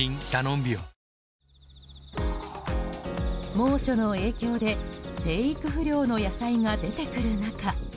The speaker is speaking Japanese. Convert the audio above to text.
猛暑の影響で生育不良の野菜が出てくる中